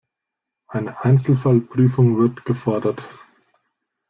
Eine Einzelfallprüfung wird gefordert.